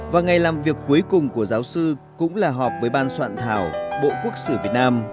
và ngày làm việc cuối cùng của giáo sư cũng là họp với ban soạn thảo bộ quốc sử việt nam